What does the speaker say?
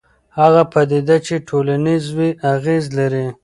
هغه پدیده چې ټولنیز وي اغېز لري.